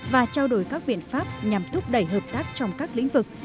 và trao đổi các biện pháp nhằm thúc đẩy hợp tác trong các lĩnh vực